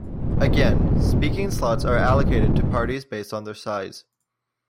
Again, speaking slots are allocated to parties based on their size.